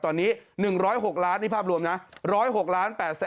ตอนนี้๑๐๖ล้านนี่ภาพรวมนะ